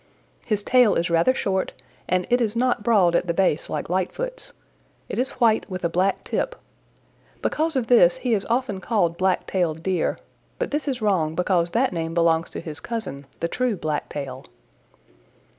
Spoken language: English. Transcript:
His tail is rather short and is not broad at the base like Lightfoot's. It is white with a black tip. Because of this he is often called Blacktailed Deer, but this is wrong because that name belongs to his cousin, the true Blacktail.